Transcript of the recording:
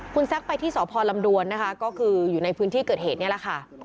คุณแซคไปที่สพลำดวนนะคะก็คืออยู่ในพื้นที่เกิดเหตุนี่แหละค่ะ